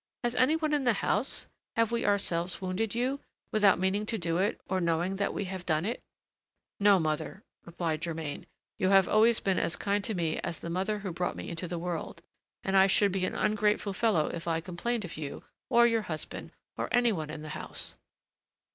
Has any one in the house, have we ourselves wounded you, without meaning to do it or knowing that we had done it?" "No, mother," replied Germain, "you have always been as kind to me as the mother who brought me into the world, and I should be an ungrateful fellow if I complained of you, or your husband, or any one in the house."